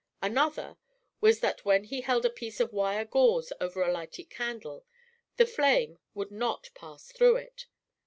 Another was that when he held a piece of wire gauze over a lighted candle, the flame would not pass through it.